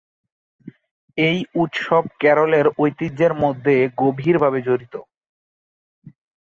এই উৎসব কেরলের ঐতিহ্যের মধ্যে গভীরভাবে জড়িত।